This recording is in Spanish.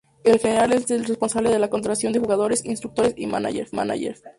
El general es el responsable de la contratación de jugadores, instructores y mánagers.